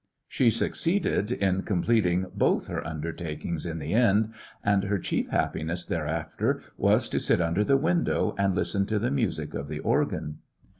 She succeeded in complet 86 'jyiissionarY in tge Great West ing both her undertakings in the end, and her chief happiness thereafter was to sit under the window and listen to the music of the organ.